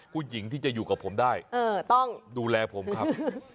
ผู้หญิงที่จะอยู่กับผมได้ต้องดูแลผมครับ